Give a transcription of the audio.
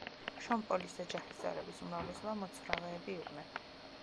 შონ პოლის ოჯახის წევრების უმრავლესობა მოცურავეები იყვნენ.